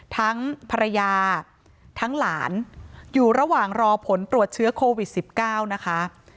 ทั้งภรรยาทั้งหลานอยู่ระหว่างรอผลตรวจเชื้อโควิด๑๙นะคะ